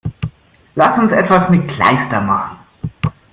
Lass uns etwas mit Kleister machen!